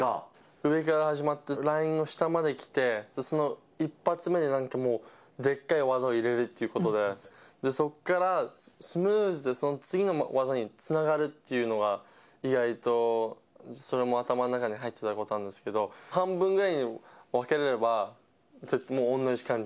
上から始まって、ラインの下まで来て、その１発目になんかもう、でっかい技を入れるっていうことで、そこからスムーズにその次の技につながるっていうのが、意外とそれも頭の中に入ってたことなんですけど、半分ぐらいに分ければ、絶対もう同じ感じ。